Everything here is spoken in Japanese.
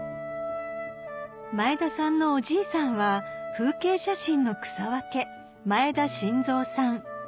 前田さんのおじいさんは風景写真の草分け